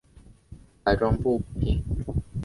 改装部品则藉由行车的里程数取得。